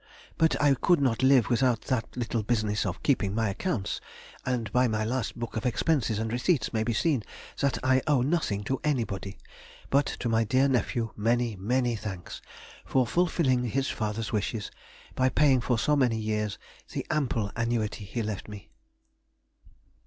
But I could not live without that little business of keeping my accounts; and by my last book of expenses and receipts may be seen, that I owe nothing to anybody, but to my dear nephew many many thanks for fulfilling his father's wishes, by paying for so many years the ample annuity he left me.